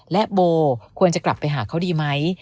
และโบควรจะกลับไปหาเขาดีไหม